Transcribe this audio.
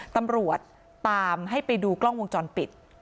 ตำรวจตามให้ไปดูกล้องวงจรปิด